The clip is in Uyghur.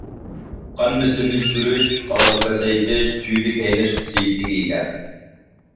قان بېسىمنى چۈشۈرۈش، ئاغرىق پەسەيتىش، سۈيدۈك ھەيدەش خۇسۇسىيىتىگە ئىگە.